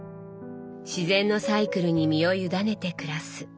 自然のサイクルに身を委ねて暮らす。